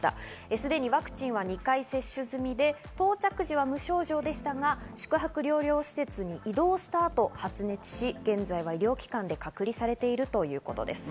すでにワクチンは２回接種済みで、到着時は無症状でしたが宿泊療養施設に移動した後、発熱し、現在は医療機関で隔離されているということです。